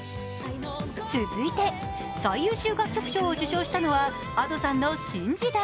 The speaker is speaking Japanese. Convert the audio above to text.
続いて、最優秀楽曲賞を受賞したのはＡｄｏさんの「新時代」。